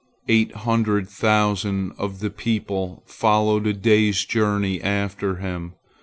Eight hundred thousand of the people followed a day's journey after him.